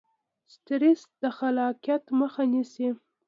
سټرس د خلاقیت مخه نیسي.